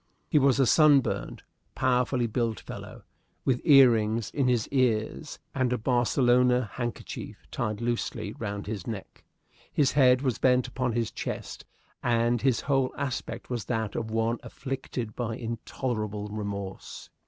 He was a sunburned, powerfully built fellow, with ear rings in his ears and a Barcelona handkerchief tied loosely round his neck. His head was bent upon his chest, and his whole aspect was that of one afflicted by intolerable remorse.